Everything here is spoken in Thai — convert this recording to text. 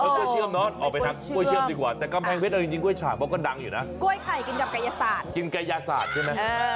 กล้วยเชื่อมน่ะไม่นิยม